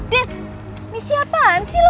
dev misi apaan sih lo